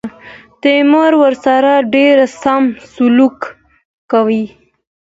تیمور ورسره ډېر سم سلوک کوي.